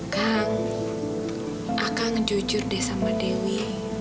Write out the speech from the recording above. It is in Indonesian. kang akang jujur deh sama dewi